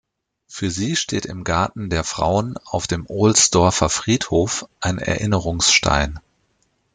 Für sie steht im Garten der Frauen auf dem Ohlsdorfer Friedhof ein Erinnerungsstein.